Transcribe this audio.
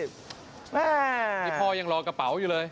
นี่พ่อยังรอกระเป๋าอยู่เลย